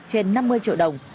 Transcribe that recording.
trên năm mươi triệu đồng